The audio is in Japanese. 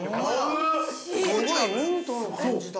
◆すごい、ミントの感じだ。